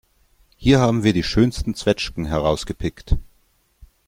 Hier haben wir die schönsten Zwetschgen herausgepickt.